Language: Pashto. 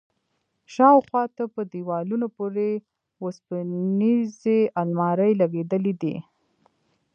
شاوخوا ته په دېوالونو پورې وسپنيزې المارۍ لگېدلي دي.